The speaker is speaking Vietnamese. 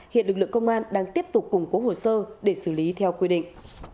hiện lực lượng công an đang tiếp tục củng cố hồ sơ để xử lý theo quy định